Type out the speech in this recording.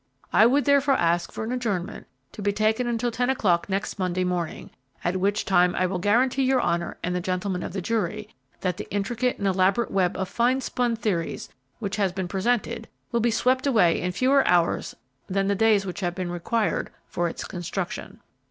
I would therefore ask for an adjournment to be taken until ten o'clock next Monday morning, at which time I will guarantee your honor and the gentlemen of the jury that the intricate and elaborate web of fine spun theories which has been presented will be swept away in fewer hours than the days which have been required for its construction."